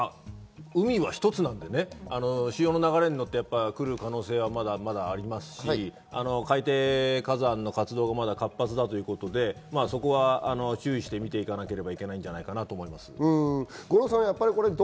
今、その情報を聞いて少し安心しましたが、でも海は一つなので、潮の流れに乗って来る可能性もありますし、海底火山の活動がまだ活発ということで、そこはまだ注意して見ていかなければいけないんじゃないかなと思います。